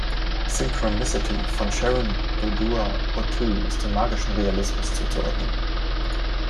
"Synchronicity" von Sharon Dodua Otoo ist dem magischen Realismus zuzuordnen.